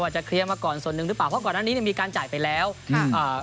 จะเคลียร์มากันหนึ่งหรือเปล่าเพราะก่อนอันนี้มีการจ่ายไปแล้วค่ะ